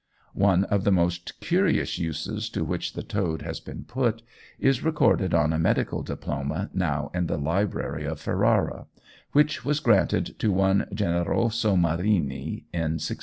One of the most curious uses to which the toad has been put is recorded on a medical diploma now in the Library of Ferrara, which was granted to one Generoso Marini in 1642.